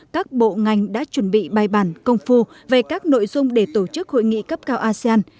các bộ ngành đã chuẩn bị bài bản công phu về các nội dung để tổ chức hội nghị cấp cao asean